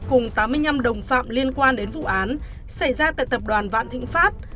cùng tám mươi năm đồng phạm liên quan đến vụ án xảy ra tại tập đoàn vạn thịnh pháp